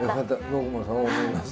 僕もそう思います。